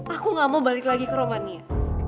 aku gak mau balik lagi ke romania